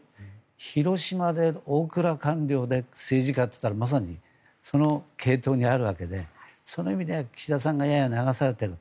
広島で大蔵官僚で政治家といったらまさにその系統にあるわけでその意味では岸田さんがやや流されている。